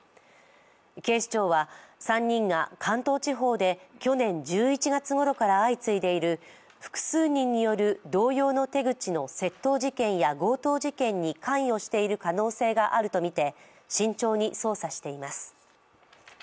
警視庁は、３人が関東地方で去年１１月ごろから相次いでいる複数人による同様の手口の窃盗事件や強盗事件に関与している可能性があるとみて慎重に捜査しています。